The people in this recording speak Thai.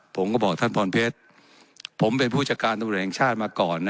ผมก็บอกท่านพรเพชรผมเป็นผู้จัดการตำรวจแห่งชาติมาก่อน